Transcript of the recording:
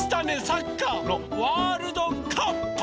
サッカーのワールドカップ！